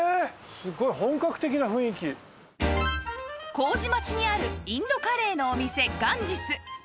麹町にあるインドカレーのお店ガンジス